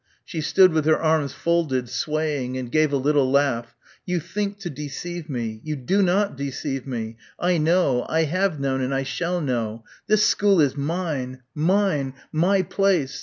She stood with her arms folded, swaying, and gave a little laugh. "You think to deceive me. You do not deceive me. I know. I have known and I shall know. This school is mine. Mine! My place!